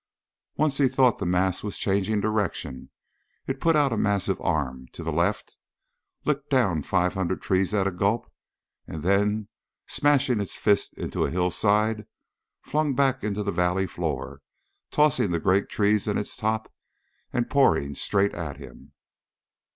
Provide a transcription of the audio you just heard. Once he thought the mass was changing direction. It put out a massive arm to the left, licked down five hundred trees at a gulp, and then, smashing its fist into a hillside, flung back into the valley floor, tossing the great trees in its top and poured straight at him.